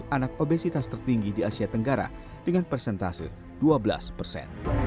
anak obesitas tertinggi di asia tenggara dengan persentase dua belas persen